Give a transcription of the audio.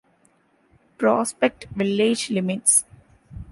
Prospect village limits.